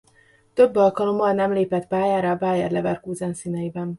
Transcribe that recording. Több alkalommal nem lépett pályára a Bayer Leverkusen színeiben.